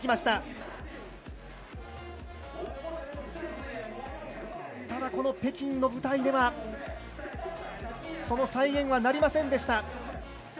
ただ、この北京の舞台ではその再現はなりませんでした。